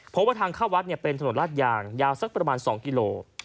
เพราะว่าทางเข้าวัดเป็นถนนลาดยางยาวสักประมาณ๒กิโล